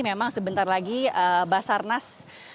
memang sebentar lagi basarnas